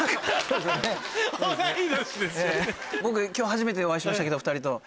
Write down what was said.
僕今日初めてお会いしましたけど２人と。